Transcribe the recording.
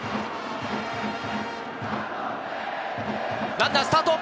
ランナースタート！